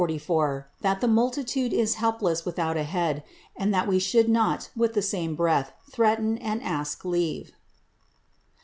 —_That the Multitude is helpless without a Head: and that we should not with the same breath threaten and ask leave.